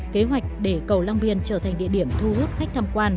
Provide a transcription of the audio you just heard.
kế hoạch để cầu long biên trở thành địa điểm thu hút khách tham quan